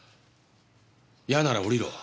やなら降りろ。